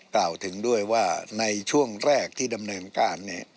กล่าวถึงด้วยว่าในช่วงแรกที่ดำเนินการ